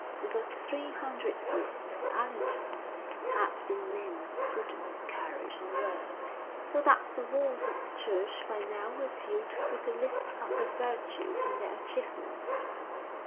And for three hundred years the Allertons had been men of prudence, courage, and worth, so that the walls of the church by now were filled with the lists of their virtues and their achievements.